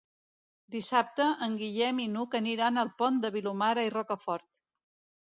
Dissabte en Guillem i n'Hug aniran al Pont de Vilomara i Rocafort.